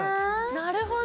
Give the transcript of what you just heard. なるほど。